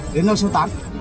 đến nơi sơ tán